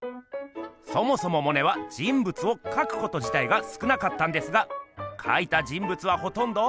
そもそもモネは人物をかくことじたいがすくなかったんですがかいた人物はほとんど。